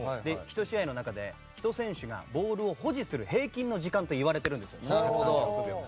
１試合の中で１選手がボールを保持する平均の時間といわれているんです。